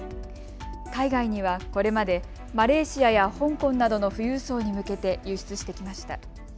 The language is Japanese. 海外にはこれまでマレーシアや香港などの富裕層に向けて輸出してきました。